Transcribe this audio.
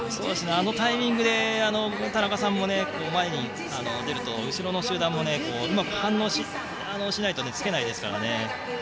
あのタイミングで田中さんも前に出ると後ろの集団もうまく反応しないとついていけないですからね。